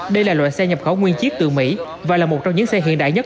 đây là loại xe nhập khẩu nguyên chiếc từ mỹ và là một trong những xe hiện đại nhất